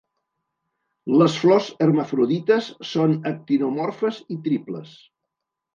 les flors hermafrodites són actinomorfes i triples.